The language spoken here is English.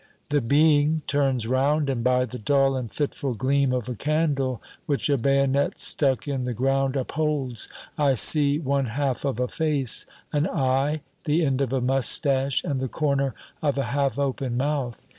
The being turns round, and by the dull and fitful gleam of a candle which a bayonet stuck in the ground upholds, I see one half of a face, an eye, the end of a mustache, and the corner of a half open mouth.